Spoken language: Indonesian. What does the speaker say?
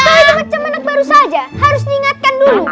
kau itu macam anak baru saja harus diingatkan dulu